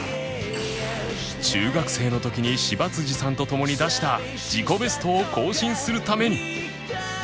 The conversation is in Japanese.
中学生の時に芝さんとともに出した自己ベストを更新するために